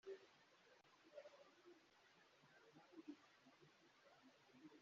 mu gikorwa cyiswe Local business lunches for Public-Private Dialogue